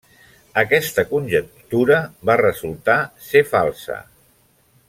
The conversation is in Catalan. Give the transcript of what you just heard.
Aquesta conjectura va resultar ser falsa.